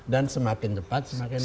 dan semakin cepat semakin baik